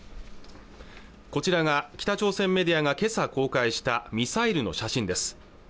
こちらが北朝鮮メディアが今朝公開したミサイルの写真です